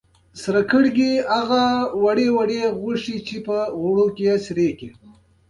آیا پښتون د حق پلوی نه دی؟